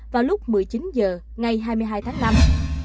vào lúc một mươi chín h ngày hai mươi hai tháng năm